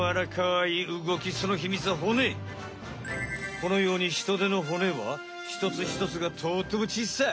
このようにヒトデの骨はひとつひとつがとってもちいさい。